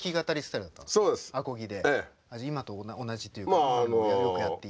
今と同じというか今でもよくやってる。